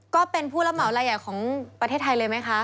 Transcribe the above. ก็เป็นผู้รับเหมารายใหญ่ของประเทศไทยเลยไหมคะ